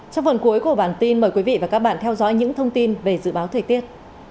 trong phần cuối của bản tin mời quý vị và các bạn theo dõi những thông tin về dự báo thời tiết